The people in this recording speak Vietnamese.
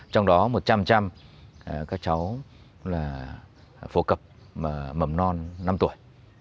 trong đó một trăm linh các cháu là phổ cập mầm non năm tuổi